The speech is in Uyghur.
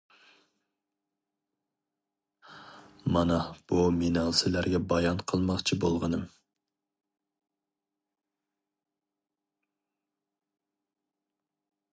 مانا بۇ مېنىڭ سىلەرگە بايان قىلماقچى بولغىنىم.